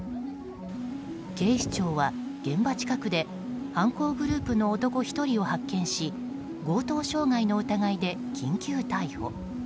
警視庁は現場近くで犯行グループの男１人を発見し強盗傷害の疑いで緊急逮捕。